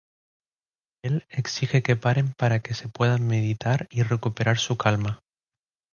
Él exige que paren para que pueda meditar y recuperar su calma.